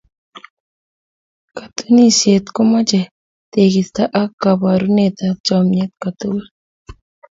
katuninisieet ko mochei teegisto ak koboruneetab chomyeet kotugul